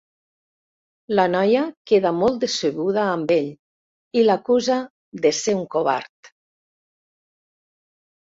La noia queda molt decebuda amb ell i l'acusa de ser un covard.